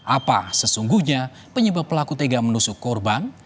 apa sesungguhnya penyebab pelaku tega menusuk korban